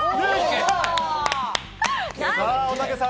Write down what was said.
さぁ、おたけさん。